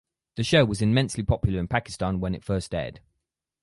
The show was immensely popular in Pakistan when it first aired.